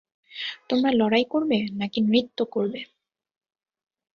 তোমরা লড়াই করবে নাকি নৃত্য করবে?